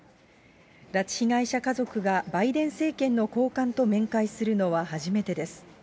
拉致被害者家族がバイデン政権の高官と面会するのは初めてです。